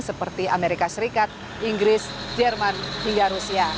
seperti amerika serikat inggris jerman hingga rusia